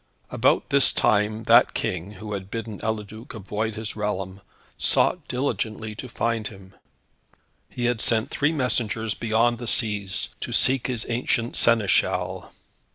About this time that King, who had bidden Eliduc avoid his realm, sought diligently to find him. He had sent three messengers beyond the seas to seek his ancient Seneschal.